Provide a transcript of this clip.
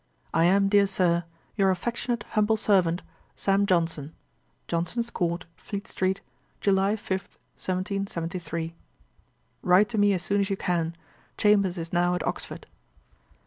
I am, dear Sir, 'Your affectionate humble servant, 'SAM. JOHNSON.' 'Johnson's court, Fleet street, July 5, 1773.' 'Write to me as soon as you can. Chambers is now at Oxford.'